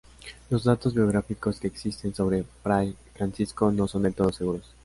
Los datos biográficos que existen sobre fray Francisco no son del todo seguros.